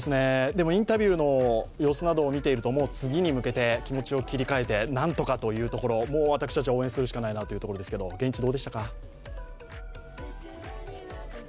インタビューの様子などを見ていると、次に向けて気持を切り替えてなんとかというところもう私たちは応援するしかないというところですが、現地どうでしたか？